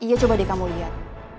iya coba deh kamu lihat